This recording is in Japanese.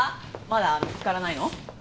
まだ見つからないの？